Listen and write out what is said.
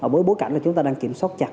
bối cảnh là chúng ta đang kiểm soát chặt